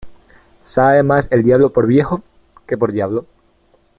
Sabe mas el diablo por viejo, que por diablo.